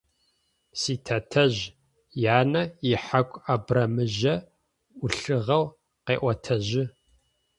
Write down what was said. Ситэтэжъ янэ ихьаку абрамыжъо ӏулъыгъэу къеӏотэжьы.